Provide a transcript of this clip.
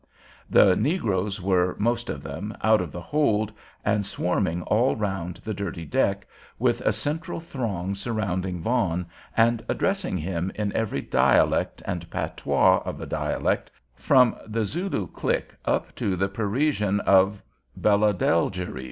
The negroes were, most of them, out of the hold, and swarming all round the dirty deck, with a central throng surrounding Vaughan and addressing him in every dialect, and patois of a dialect, from the Zulu click up to the Parisian of Beledeljereed.